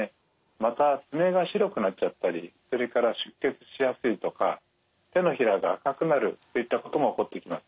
また爪が白くなっちゃったりそれから出血しやすいとか手のひらが赤くなるといったことも起こってきます。